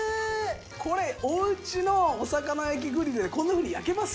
これおうちのお魚焼きグリルでこんなふうに焼けます？